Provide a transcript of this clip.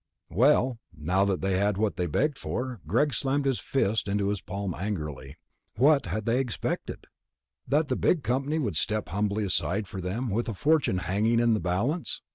Well, now they had what they'd begged for. Greg slammed his fist into his palm angrily. What had they expected? That the big company would step humbly aside for them, with a fortune hanging in the balance?